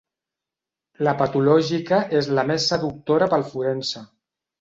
La patològica és la més seductora pel forense.